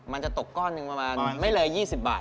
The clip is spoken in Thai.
มันจะตกก้อนหนึ่งประมาณไม่เลย๒๐บาท